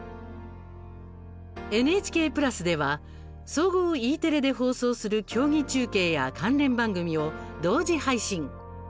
ＮＨＫプラスでは総合・Ｅテレで放送する競技中継や関連番組を同時配信。